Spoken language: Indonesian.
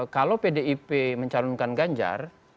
kalau pdip mencalonkan ganjar